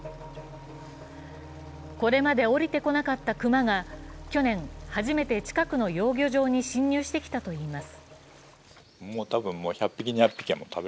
これまで下りてこなかった熊が去年、初めて近くの養魚場に侵入してきたといいます。